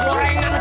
sudah pakai lemak